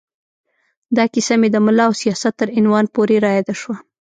دا کیسه مې د ملا او سیاست تر عنوان پورې را یاده شوه.